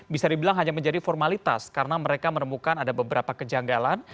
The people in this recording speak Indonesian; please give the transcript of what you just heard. bisa dibilang hanya menjadi formalitas karena mereka menemukan ada beberapa kejanggalan